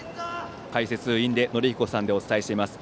解説、印出順彦さんでお伝えしています。